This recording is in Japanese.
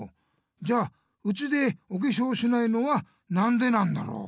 じゃあうちでおけしょうしないのはなんでなんだろう？